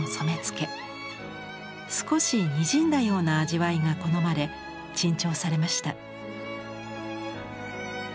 少しにじんだような味わいが好まれ珍重されました。